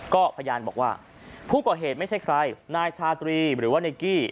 ก็พยานบอกว่าผู้ก่อเหตุไม่ใช่ใครนายชาตรีหรือว่านายกี้